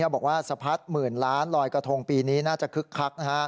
บอกว่าสะพัดหมื่นล้านลอยกระทงปีนี้น่าจะคึกคัก